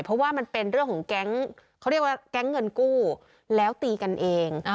เพราะว่ามันเป็นเรื่องของแก๊งเขาเรียกว่าแก๊งเงินกู้แล้วตีกันเอง